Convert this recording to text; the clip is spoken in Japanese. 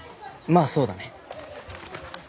まあそうだね。